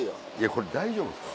これ大丈夫ですか？